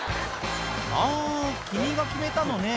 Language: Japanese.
あぁ君が決めたのね」